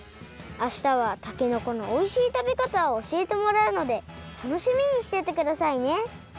明日はたけのこのおいしいたべかたをおしえてもらうので楽しみにしててくださいね！